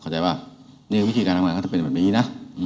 แต่ว่าวิธีการทำงานก็จะเป็นตัวแบบนี้นะ